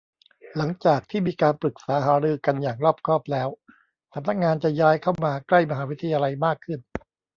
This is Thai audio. หลังจากที่มีการปรึกษาหารือกันอย่างรอบคอบแล้ว สำนักงานจะย้ายเข้ามาใกล้มหาวิทยาลัยมากขึ้น